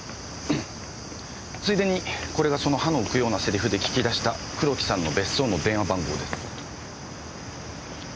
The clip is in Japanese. ついでにこれがその歯の浮くようなセリフで聞き出した黒木さんの別荘の電話番号です。